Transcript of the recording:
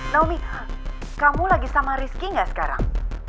naomi kamu lagi sama rizky nggak sekarang